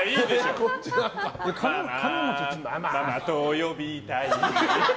ママと呼びたい。